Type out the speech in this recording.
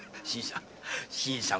新さん。